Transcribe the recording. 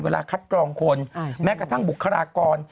คัดกรองคนแม้กระทั่งบุคลากร